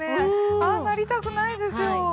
ああなりたくないですよ